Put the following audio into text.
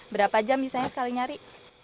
berapa jam misalnya sekali nyari